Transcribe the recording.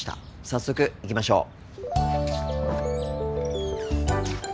早速行きましょう。